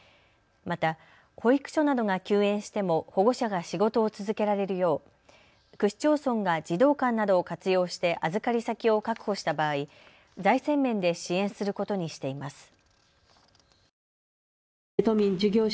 また保育所などが休園しても保護者が仕事を続けられるよう区市町村が児童館などを活用して預かり先を確保した場合、財政面で支援することにしています。